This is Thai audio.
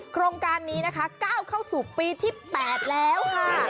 โครงการนี้นะคะก้าวเข้าสู่ปีที่๘แล้วค่ะ